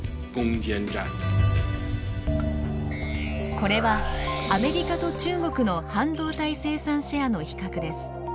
これはアメリカと中国の半導体生産シェアの比較です。